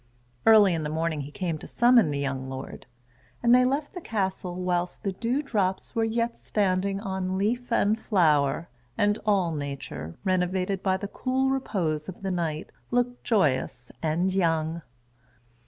Early in the morning he came to summon the young lord; and they left the castle whilst the dew drops were yet standing on leaf and flower, and all nature, renovated by the cool repose of the night, looked joyous and young.